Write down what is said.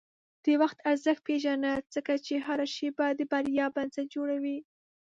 د وخت ارزښت پېژنه، ځکه چې هره شېبه د بریا بنسټ جوړوي.